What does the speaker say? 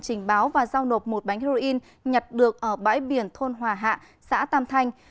trình báo và giao nộp một bánh heroin nhặt được ở bãi biển thôn hòa hạ xã tam thanh